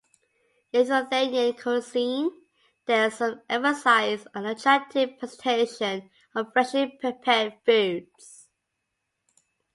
In Lithuanian cuisine there is some emphasis on attractive presentation of freshly prepared foods.